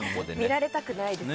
見られたくないですね。